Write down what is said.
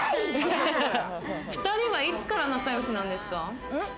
２人はいつから仲よしなんですか？